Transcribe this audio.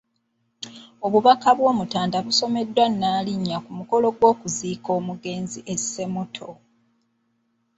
Obubaka bw’Omutanda busomeddwa Nnaalinnya ku mukolo gw’okuziika omugenzi e Ssemuto.